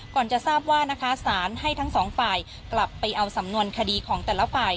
จะทราบว่านะคะสารให้ทั้งสองฝ่ายกลับไปเอาสำนวนคดีของแต่ละฝ่าย